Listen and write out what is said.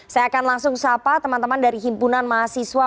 saya akan langsung sapa teman teman dari himpunan mahasiswa